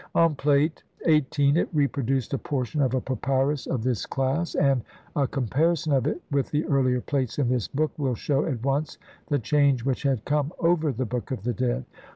On Plate XVIII is reproduced a portion of a papyrus of this class (Brit. Mus. No. 10,111), and a comparison of it with the earlier Plates in this book will shew at once the change which had come over the Book of the Dead.